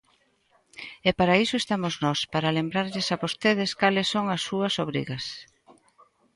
E para iso estamos nós: para lembrarlles a vostedes cales son as súas obrigas.